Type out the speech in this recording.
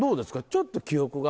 ちょっと記憶が。